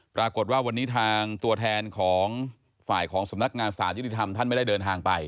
ปรากฏว่าวันนี้ทางตัวแทนของฝ่ายของสำนักงานสารยุติธรรมท่านไม่ได้เดินทางไป